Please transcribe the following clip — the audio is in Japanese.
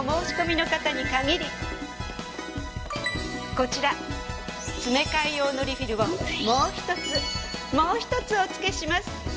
こちら詰め替え用のリフィルをもう１つもう１つおつけします。